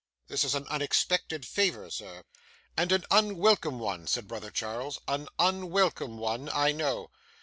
'This is an unexpected favour, sir.' 'And an unwelcome one,' said brother Charles; 'an unwelcome one, I know.